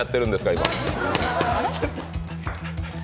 今。